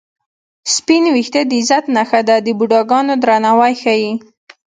سپین وېښته د عزت نښه ده د بوډاګانو درناوی ښيي